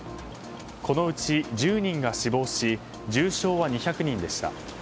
このうち１０人が死亡し重症は２００人でした。